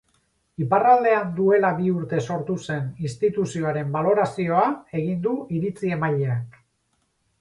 Iparraldean duela bi urte sortu zen instituzioaren balorazioa egin du iritzi-emaileak.